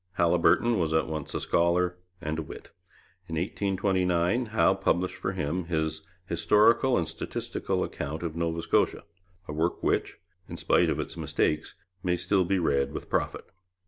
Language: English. Haliburton was at once a scholar and a wit. In 1829 Howe published for him his Historical and Statistical Account of Nova Scotia, a work which, in spite of its mistakes, may still be read with profit.